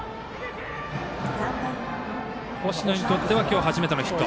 星野にとっては今日初めてのヒット。